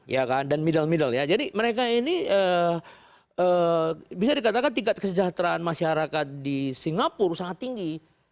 jadi mereka ini bisa dikatakan tingkat kesejahteraan masyarakat di singapura sangat tinggi